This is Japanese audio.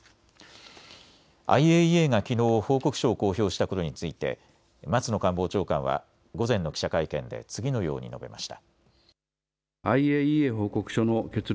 ＩＡＥＡがきのう報告書を公表したことについて松野官房長官は午前の記者会見で次のように述べました。